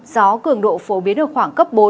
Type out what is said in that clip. gió cường độ phổ biến được khoảng cấp bốn